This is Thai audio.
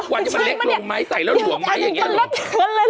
วันนี้มันเล็กลงไหมใส่แล้วหลวมไหมอย่างนี้